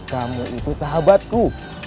kamu itu sahabatku